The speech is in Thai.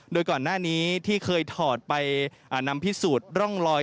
โดยก่อนหน้านี้ที่เคยถอดไปนำพิสูจน์ร่องลอย